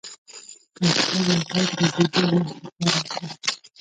کمپیوټر یوازې له دې دوو نښو کار اخلي.